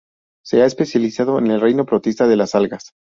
Se ha especializado en el reino Protista de las algas.